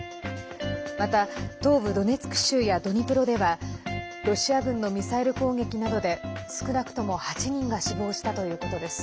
また、東部ドネツク州やドニプロではロシア軍のミサイル攻撃などで少なくとも８人が死亡したということです。